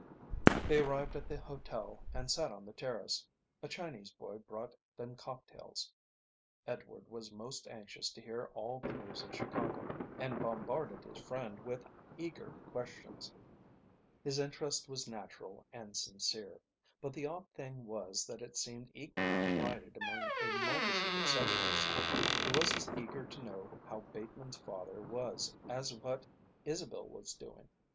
They arrived at the hotel and sat on the terrace. A Chinese boy brought them cocktails. Edward was most anxious to hear all the news of Chicago and bombarded his friend with eager questions. His interest was natural and sincere. But the odd thing was that it seemed equally divided among a multitude of subjects. He was as eager to know how Bateman's father was as what Isabel was doing.